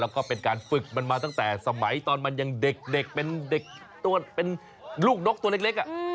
แล้วก็เป็นการฝึกมันมาตั้งแต่สมัยตอนมันยังเด็กเป็นลูกนกตัวเล็กอ่ะ